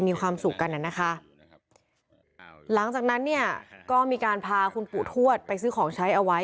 มีความสุขกันน่ะนะคะหลังจากนั้นเนี่ยก็มีการพาคุณปู่ทวดไปซื้อของใช้เอาไว้